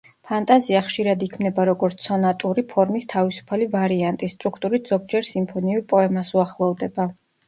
ფანტაზია ხშირად იქმნება როგორც სონატური ფორმის თავისუფალი ვარიანტი; სტრუქტურით ზოგჯერ სიმფონიურ პოემას უახლოვდება.